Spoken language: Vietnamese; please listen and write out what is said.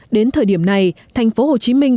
đến thời điểm này thành phố hồ chí minh